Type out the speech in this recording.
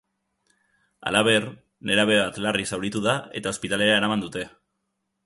Halaber, nerabe bat larri zauritu da eta ospitalera eraman dute.